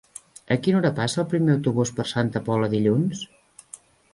A quina hora passa el primer autobús per Santa Pola dilluns?